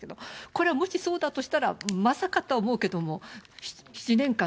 これはもしそうだとしたら、まさかとは思うけども、７年間、